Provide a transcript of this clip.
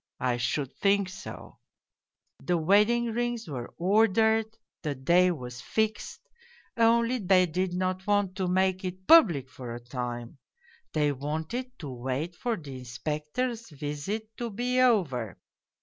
I should think so ! The wedding rings were ordered, the day was fixed, only they did not want to make it public for a time they wanted to wait for the Inspector's visit to be over.